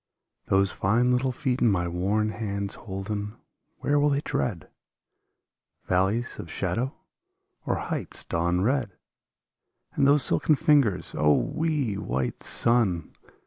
Those fine little feet in my worn hands holden .. Where will they tread ? Valleys of shadow or heights dawn red? And those silken fingers, O, wee, white son.